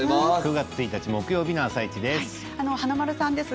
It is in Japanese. ９月１日木曜日の「あさイチ」です。